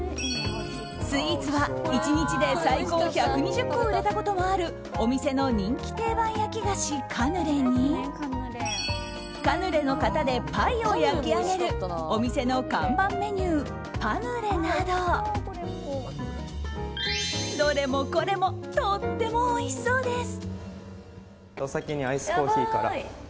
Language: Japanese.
スイーツは１日で最高１２０個も売れたことがあるお店の人気定番焼き菓子カヌレにカヌレの型でパイを焼き上げるお店の看板メニューパヌレなど、どれもこれもとってもおいしそうです。